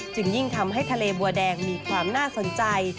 ยิ่งทำให้ทะเลบัวแดงมีความน่าสนใจ